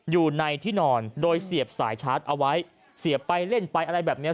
อยู่ในที่นอนโดยเสียบสายชาร์จเอาไว้เสียบไปเล่นไปอะไรแบบเนี้ย